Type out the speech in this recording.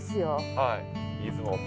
はい。